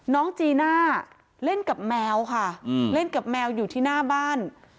น้องจีน่าเล่นกับแมวค่ะเล่นกับแมวอยู่ที่หน้าบ้าน